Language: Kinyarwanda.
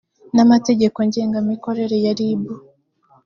n amategeko ngengamikorere ya rib